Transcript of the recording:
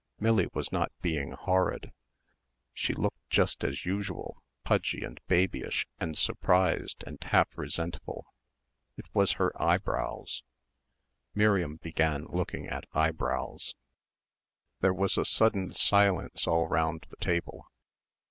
Millie was not being horrid. She looked just as usual, pudgy and babyish and surprised and half resentful ... it was her eyebrows. Miriam began looking at eyebrows. There was a sudden silence all round the table.